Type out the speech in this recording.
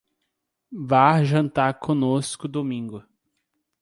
Vá jantar conosco domingo.